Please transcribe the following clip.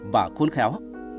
và khốn khéo